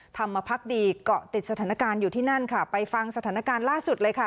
ธรรมพักดีเกาะติดสถานการณ์อยู่ที่นั่นค่ะไปฟังสถานการณ์ล่าสุดเลยค่ะ